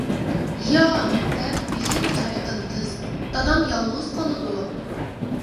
-ياق-دەپ بېشىنى چايقىدى قىز-دادام يالغۇز قالىدۇ.